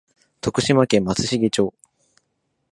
徳島県松茂町